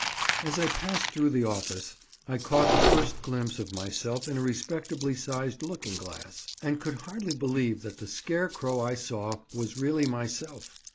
As I passed through the office, I caught the first glimpse of myself in a respectably sized looking glass, and could hardly believe that the scarecrow I saw was really myself.